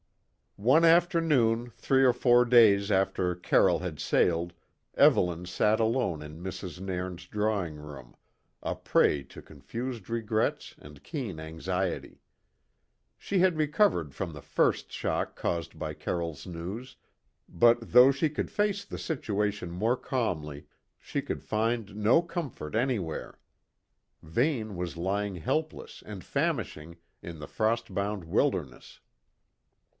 One afternoon three or four days after Carroll had sailed, Evelyn sat alone in Mrs. Nairn's drawing room, a prey to confused regrets and keen anxiety. She had recovered from the first shock caused by Carroll's news, but though she could face the situation more calmly, she could find no comfort anywhere Vane was lying helpless and famishing, in the frost bound wilderness.